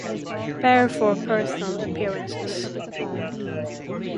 Bear for personal appearances.